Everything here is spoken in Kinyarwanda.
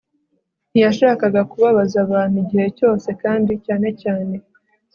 ntiyashakaga kubabaza abantu igihe cyose, kandi cyane cyane